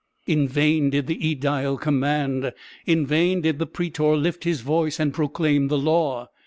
In vain did the ædile command; in vain did the prætor lift his voice and proclaim the law.